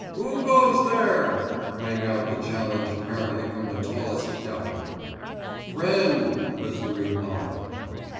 "Who goes there?" rang out the challenge apparently from the tallest devil. "Friend," was the reply.